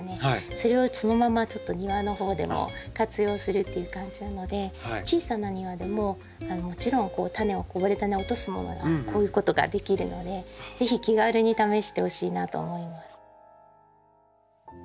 それをそのままちょっと庭のほうでも活用するっていう感じなので小さな庭でももちろんタネをこぼれダネを落とすものならこういうことができるのでぜひ気軽に試してほしいなと思います。